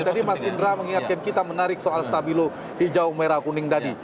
tadi mas indra mengingatkan kita menarik soal stabilo hijau merah kuning tadi